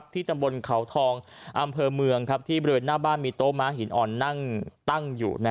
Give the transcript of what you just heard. ตำบลเขาทองอำเภอเมืองที่บริเวณหน้าบ้านมีโต๊ม้าหินอ่อนนั่งตั้งอยู่